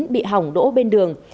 bị hỏng đỗ bên đường